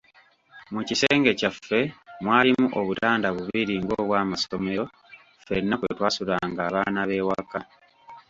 Mu kisenge kyaffe mwalimu obutanda bubiri ng'obw'amasomero ffenna kwe twasulanga abaana b'ewaka.